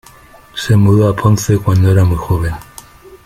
Se mudó a Ponce cuando era muy joven.